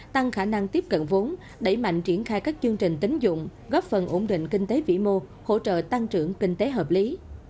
tăng khả năng tiếp cận vốn đẩy mạnh triển khai các chương trình tính dụng góp phần ổn định kinh tế vĩ mô hỗ trợ tăng trưởng kinh tế hợp lý